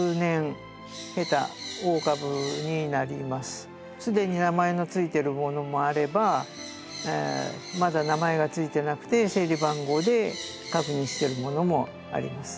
こちらのほうはすでに名前の付いてるものもあればまだ名前が付いてなくて整理番号で確認してるものもあります。